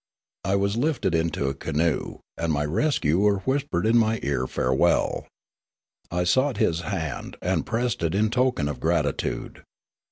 I was lifted into a canoe, and my rescuer whispered in my ear farewell. I sought his hand, and pressed it in token of gratitude.